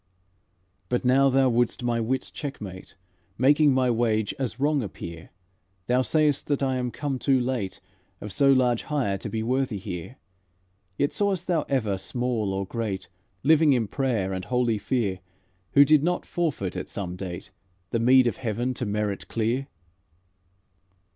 "But now thou wouldst my wit checkmate, Making my wage as wrong appear; Thou say'st that I am come too late, Of so large hire to be worthy here; Yet sawest thou ever small or great, Living in prayer and holy fear, Who did not forfeit at some date The meed of heaven to merit clear?